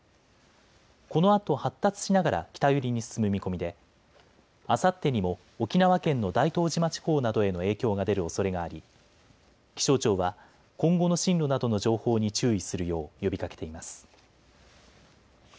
このあと発達しながら北寄りに進む見込みであさってにも沖縄県の大東島地方などへの影響が出るおそれがあり気象庁は今後の進路などの情報に注意するよう呼びかけています。